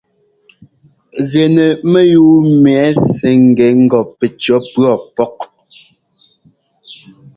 Gɛnɛ mɛyúu mɛ sɛ́ ŋ́gɛ ŋgɔ pɛcɔ̌ pʉɔ pɔ́k.